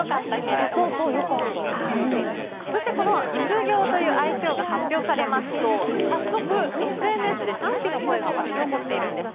そして、育業という愛称が発表されますと早速、ＳＮＳで賛否の声が沸き起こっているんです。